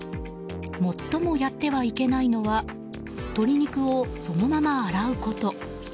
最もやってはいけないのは鶏肉をそのまま洗うこと。